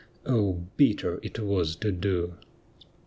Oh, bitter it was to do